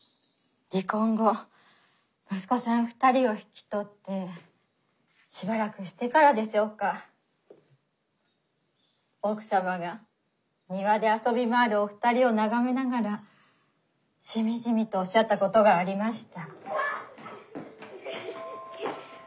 離婚後息子さん２人を引き取ってしばらくしてからでしょうか奥様が庭で遊び回るお二人を眺めながらしみじみとおっしゃったことがありました。